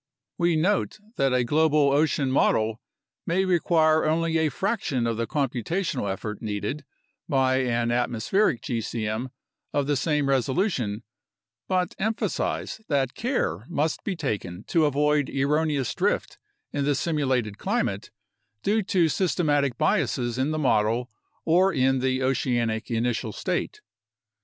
We note that a global ocean model may require only a fraction of the computational effort needed by an atmospheric gcm of the same resolution but emphasize that care must be taken to avoid erroneous drift in the simulated climate due to sys tematic biases in the model or in the oceanic initial state.